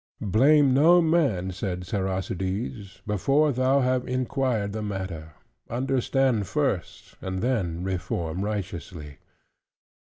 "Blame no man," saith Siracides, "before thou have inquired the matter: understand first, and then reform righteously.